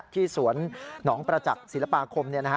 ที่สวนหนองประจักษ์ศิลปาคม